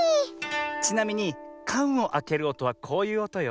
ちなみにかんをあけるおとはこういうおとよ。